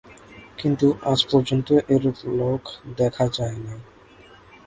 কিন্তু আজ পর্যন্ত এরূপ লোক দেখা যায় নাই।